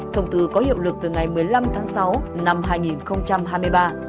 thông tư có hiệu lực từ ngày một mươi năm tháng sáu năm hai nghìn hai mươi ba